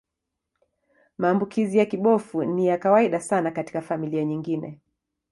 Maambukizi ya kibofu ni ya kawaida sana katika familia nyingine.